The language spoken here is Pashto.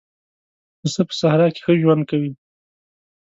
پسه په صحرا کې ښه ژوند کوي.